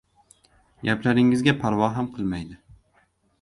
Gaplaringizga parvo ham qilmaydi.